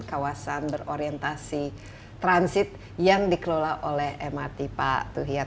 kawasan berorientasi transit yang dikelola oleh mrt pak tuhhiyad